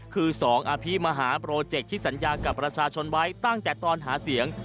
คือ๒อภิมหาโปรเจกต์ที่สัญญากับประชาชนไว้ตั้งแต่ตอนหาเสียง